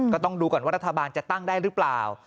ก็ต้องดูก่อนว่ารัฐบาลจะตั้งได้หรือเปล่า